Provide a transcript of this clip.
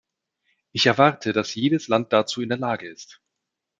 Ich erwarte, dass jedes Land dazu in der Lage ist.